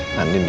andin dimana ya